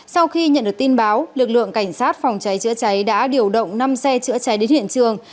sau khi nhận được tin báo lực lượng cảnh sát phòng cháy chữa cháy đã điều động năm xe chữa cháy đến hiện trường